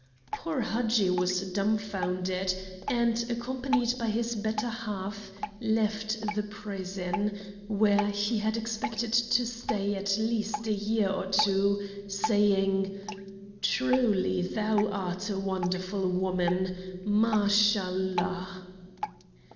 Poor Hadji was dumfounded, and, accompanied by his better half, left the prison, where he had expected to stay at least a year or two, saying: "Truly thou art a wonderful woman, Mashallah."